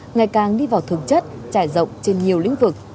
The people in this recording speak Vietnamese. ngày càng đi vào thực chất trải rộng trên nhiều lĩnh vực